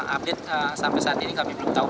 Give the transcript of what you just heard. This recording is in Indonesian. update sampai saat ini kami belum tahu